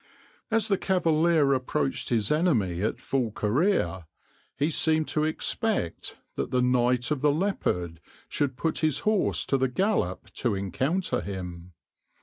As the cavalier approached his enemy at full career, he seemed to expect that the Knight of the Leopard should put his horse to the gallop to encounter him.